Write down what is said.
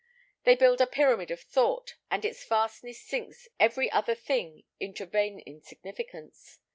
They build a pyramid of thought, and its vastness sinks every other thing into vain insignificance.